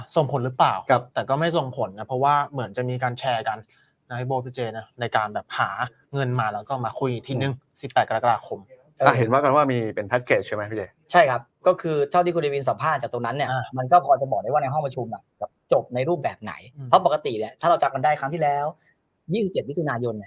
ส่งผลหรือเปล่าแต่ก็ไม่ส่งผลนะเพราะว่าเหมือนจะมีการแชร์กันในการหาเงินมาแล้วก็มาคุยที่นึง๑๘กรกศครับเห็นว่ามีเป็นพัสเกจใช่ไหมใช่ครับก็คือเท่าที่คุณสัมภาษณ์จากตรงนั้นเนี่ยมันก็พอจะบอกในห้องประชุมกับจบในรูปแบบไหนเพราะปกติเนี่ยถ้าเราจับกันได้ครั้งที่แล้ว๒๗วิทยุนาย